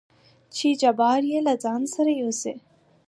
چې جبار يې له ځانه سره يوسي.